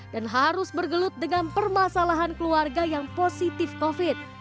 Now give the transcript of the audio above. dan harus bergelut dengan permasalahan keluarga yang positif covid